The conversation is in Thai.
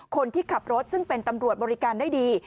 คนที่ขับรถซึ่งเป็นตำรวจบริการได้ดี